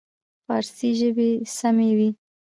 فارسي ژبې سیمې وې.